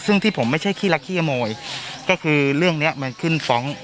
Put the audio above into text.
ซึ่งที่ผมไม่ใช่ขี้รักขี้ขโมยก็คือเรื่องเนี้ยมันขึ้นฟ้อง